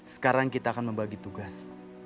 sekarang kita akan membagi tugas